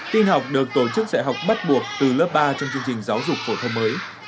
tin học được tổ chức dạy học bắt buộc từ lớp ba trong chương trình giáo dục phổ thông mới